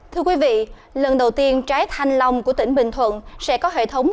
thưa quý vị lần đầu tiên trái thanh long của tỉnh bình thuận sẽ có hệ thống